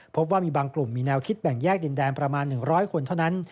พบว่ามีบางกลุ่มมีแนวคิดแบ่งแยกดินแดนประมาณ๑๐๐คนเท่านั้น